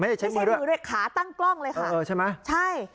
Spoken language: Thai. ไม่ใช่มือด้วยขาตั้งกล้องเลยค่ะเออเออใช่ไหมใช่